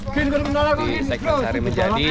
di sekolah sari menjadi